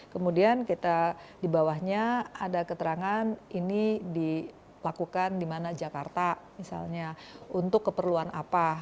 kemudian kita di bawahnya ada keterangan ini dilakukan di mana jakarta misalnya untuk keperluan apa